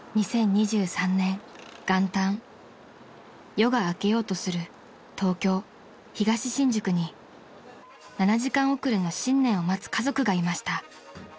［夜が明けようとする東京東新宿に７時間遅れの新年を待つ家族がいました］